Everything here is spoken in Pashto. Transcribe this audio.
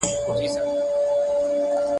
o د بل پر کور سل مېلمانه څه دي.